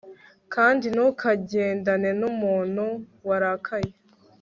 kandi ntukagendane n'umuntu warakaye